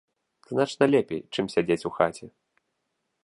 Значна лепей, чым сядзець у хаце.